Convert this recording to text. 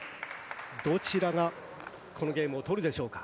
どちらがこのゲームを取るでしょうか。